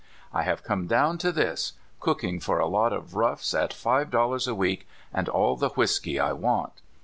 '' I have come down to this — cooking for a lot of roughs at five dollars a week and all the whisky 1 want.